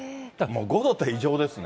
５度って異常ですね。